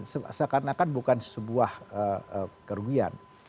sekarang kan bukan sebuah kerugian